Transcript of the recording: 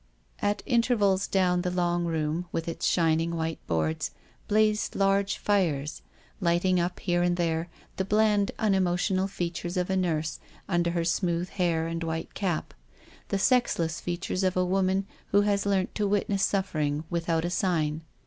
At intervals down the long room, with its shining white boards, blazed large fires, lighting up here and there the bland, unemo tional features of a nurse, under her smooth hair and white cap — the sexless features of a woman who has learnt to witness suffering without a sign.